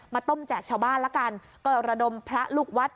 ต้มแจกชาวบ้านละกันก็ระดมพระลูกวัด